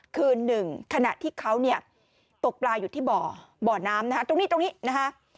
คือ๑ขณะที่เขาตกปลายอยู่ที่บ่อน้ำตรงนี้นะฮะ